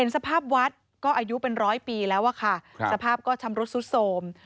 สภาพก็ทำรุดสุดโสม